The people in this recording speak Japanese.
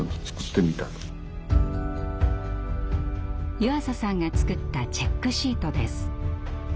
湯浅さんが作ったチェックシートです。